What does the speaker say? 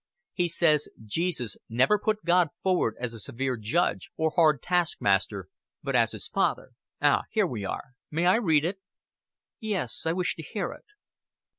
He says Jesus never put God forward as a severe judge, or hard taskmaster, but as His Father.... Ah, here we are. May I read it?" "Yes, I wish to hear it."